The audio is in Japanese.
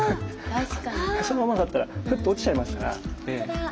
そのままだったらふっと落ちちゃいますから。